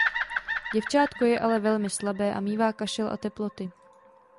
Děvčátko je ale velmi slabé a mívá kašel a teploty.